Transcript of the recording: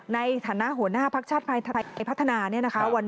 ในฐานะหัวหน้าภักดิ์ชาติไทยพัฒนาเนี่ยนะคะ